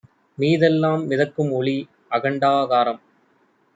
மீதெல்லாம் மிதக்கும்ஒளி, அகண்டாகாரம்